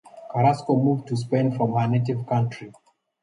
Carrasco moved to Spain from her native country.